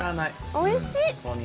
おいしい！